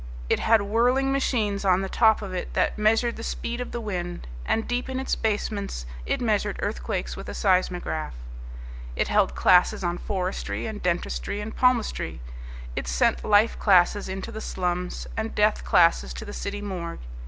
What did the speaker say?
It had whirling machines on the top of it that measured the speed of the wind, and deep in its basements it measured earthquakes with a seismograph; it held classes on forestry and dentistry and palmistry; it sent life classes into the slums, and death classes to the city morgue.